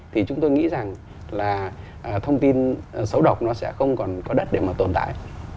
thì chúng tôi nghĩ rằng là thông tin xấu độc nó sẽ không còn có đất để mà tồn tại